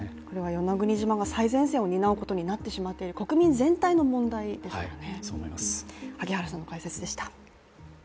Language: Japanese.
与那国島が最前線を担うことになってしまっている、国民全体の問題ですからね。